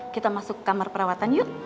kita masuk kamar perawatan yuk